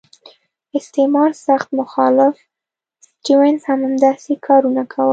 استعمار سخت مخالف سټیونز هم همداسې کارونه کول.